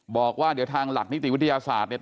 บอกว่าเดี๋ยวทางหลักนิติวิทยาศาสตร์เนี่ย